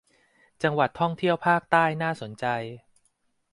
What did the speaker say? จังหวัดท่องเที่ยวภาคใต้น่าสนใจ